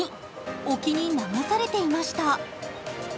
沖に流されていました。